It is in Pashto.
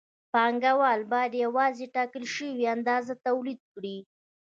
پانګوال باید یوازې ټاکل شوې اندازه تولید کړي